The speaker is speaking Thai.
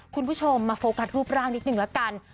คุณผู้ชมมาโฟกัสรูปร่างนิดนึงละกัน